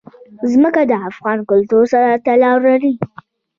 ځمکه د افغان کلتور سره تړاو لري.